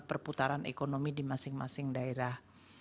kalau kita kembali ke hal ekonomi di masing masing daerah